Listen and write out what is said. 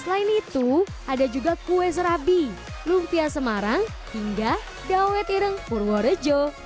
selain itu ada juga kue serabi lumpia semarang hingga dawet ireng purworejo